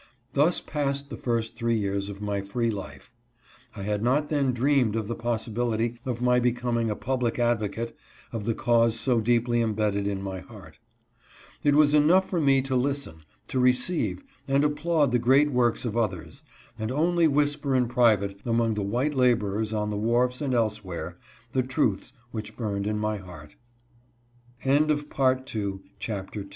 Thus passed the first three years of my free life. I had not then dreamed of the possibility of my becoming a public advocate of the cause so deeply imbedded in my heart. It was enough for me to listen, to receive, and applaud the great words of others, and only whisper in private, among the white laborers on the wharves and elsewhere,